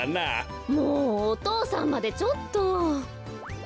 ・もうお父さんまでちょっと。